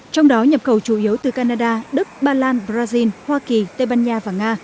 trong đó nhập khẩu chủ yếu từ canada đức ba lan brazil hoa kỳ tây ban nha và nga